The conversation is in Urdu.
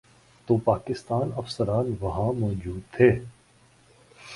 تو پاکستانی افسران وہاں موجود تھے۔